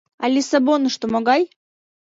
А Лиссабонышто могай?